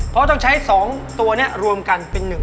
เพราะต้องใช้สองตัวเนี่ยรวมกันเป็นหนึ่ง